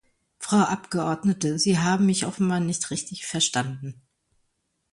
Frau Abgeordnete, Sie haben mich offenbar nicht richtig verstanden.